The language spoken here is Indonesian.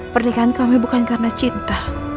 pernikahan kami bukan karena cinta